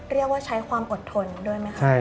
เรียกว่าใช้ความอดทนด้วยไหมคะ